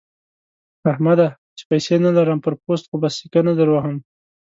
احمده! چې پيسې نه لرم؛ پر پوست خو به سکه نه دروهم.